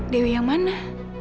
dewi yang mana